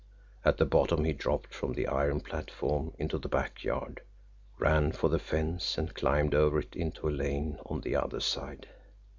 At the bottom he dropped from the iron platform into the back yard, ran for the fence and climbed over into a lane on the other side.